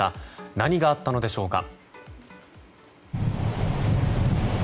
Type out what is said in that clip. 何があったのでしょうか。